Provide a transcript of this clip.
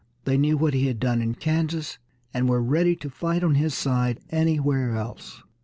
They knew what he had done in Kansas, and were ready to fight on his side anywhere else.